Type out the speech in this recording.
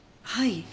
はい。